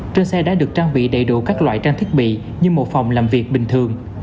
trên xe đã được trang bị đầy đủ các loại trang thiết bị như một phòng làm việc bình thường